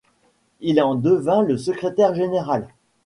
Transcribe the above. Il en devient le secrétaire général.